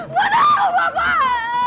bunuh aku bapak